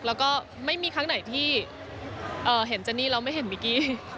แล้วก็ไม่มีครั้งไหนที่เห็นเจนนี่แล้วไม่เห็นมิกกี้